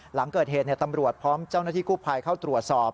หลังเกิดเหตุตำรวจพร้อมเจ้าหน้าที่กู้ภัยเข้าตรวจสอบ